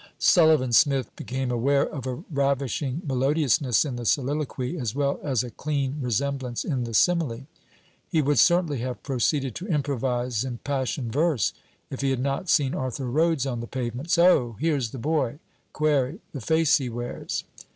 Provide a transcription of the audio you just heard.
Sullivan Smith became aware of a ravishing melodiousness in the soliloquy, as well as a clean resemblance in the simile. He would certainly have proceeded to improvize impassioned verse, if he had not seen Arthur Rhodes on the pavement. 'So, here's the boy. Query, the face he wears.'